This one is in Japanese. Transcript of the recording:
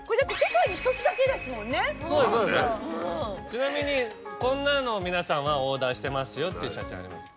ちなみにこんなのを皆さんはオーダーしてますよっていう写真あります。